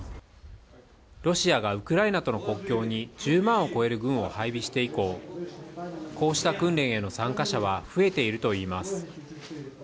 ロシアがウクライナとの国境に１０万を超える軍を配備して以降、こうした訓練への参加者は増えているといいます。